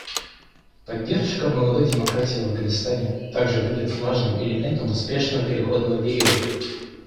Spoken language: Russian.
Поддержка молодой демократии в Афганистане также будет важным элементом успешного переходного периода.